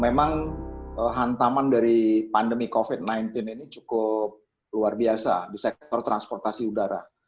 memang hantaman dari pandemi covid sembilan belas ini cukup luar biasa di sektor transportasi udara